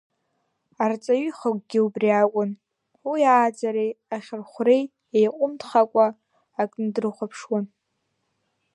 Арҵаҩы ихықәкгьы убри акәын, уи ааӡареи ахьырхәреи еиҟәымҭхакәа, акны дрыхәаԥшуан.